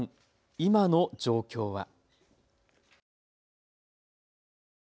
今の状況は。